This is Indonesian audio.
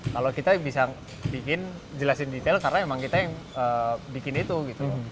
kalau kita bisa bikin jelasin detail karena memang kita yang bikin itu gitu